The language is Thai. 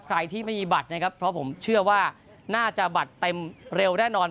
ใครที่ไม่มีบัตรนะครับเพราะผมเชื่อว่าน่าจะบัตรเต็มเร็วแน่นอน